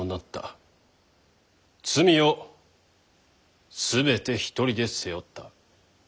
罪を全て一人で背負った。